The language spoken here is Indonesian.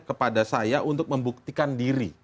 kepada saya untuk membuktikan diri